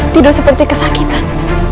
tidur seperti kesakitan